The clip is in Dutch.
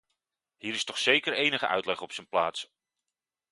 Hier is toch zeker enige uitleg op zijn plaats!